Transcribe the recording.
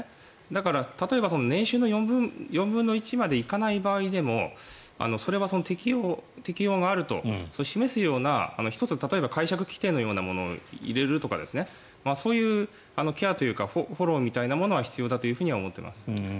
だから、例えば年収の４分の１までいかない場合でもそれは適用があると示すような１つ解釈規定のようなものを入れるとかそういうケアというかフォローみたいなものは必要だと思っています。